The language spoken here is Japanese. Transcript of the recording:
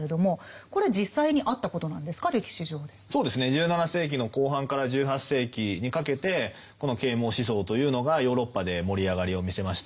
１７世紀の後半から１８世紀にかけてこの啓蒙思想というのがヨーロッパで盛り上がりを見せました。